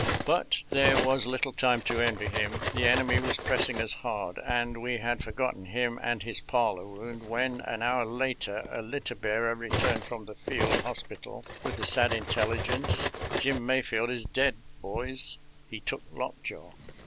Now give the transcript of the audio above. But there was little time to envy him. The enemy was pressing us hard, and we had forgotten him and his " parlor wound," when, an hour later, a litter bearer returned from the fleld hospital with the sad intelligence, " Jim Mayfleld is dead, boys; he took lockjaw."